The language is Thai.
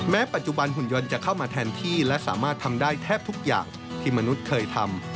ปัจจุบันหุ่นยนต์จะเข้ามาแทนที่และสามารถทำได้แทบทุกอย่างที่มนุษย์เคยทำ